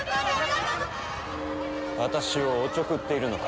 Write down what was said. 私をおちょくっているのか？